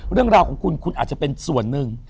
เรื่องราวของคุณคุณอาจจะเป็นส่วนหนึ่ง